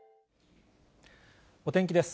お天気です。